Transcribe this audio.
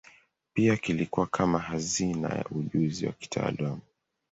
Pia kilikuwa kama hazina ya ujuzi wa kitaalamu.